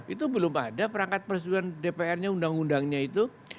itu belum ada perangkat persetujuan dpr nya undang undangnya itu